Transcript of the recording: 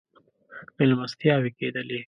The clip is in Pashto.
مېلمستیاوې کېدلې.